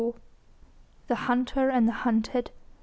The hunter and the hunted!